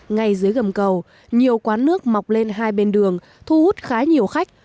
ngay dưới gầm cầu nhiều quán nước mọc lên hai bên đường thu hút khá nhiều khách